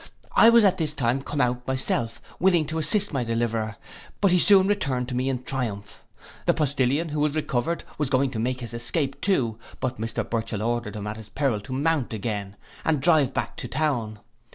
I was at this time come out myself, willing to assist my deliverer; but he soon returned to me in triumph. The postillion, who was recovered, was going to make his escape too; but Mr Burchell ordered him at his peril to mount again, and drive back to town.